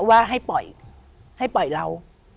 ว่าให้ปล่อยให้ปล่อยเรา